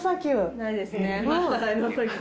ないですね。